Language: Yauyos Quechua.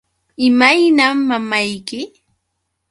¿Imaynam mamayki?